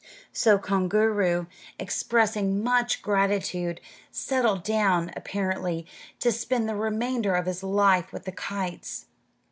So Koongooroo, expressing much gratitude, settled down, apparently, to spend the remainder of his life with the kites.